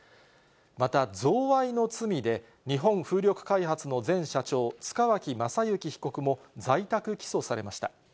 また、贈賄の罪で、日本風力開発の前社長、塚脇正幸被告も、在宅起訴されました。